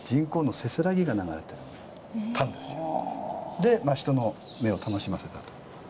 で人の目を楽しませたと。